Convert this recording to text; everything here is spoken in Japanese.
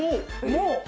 もう。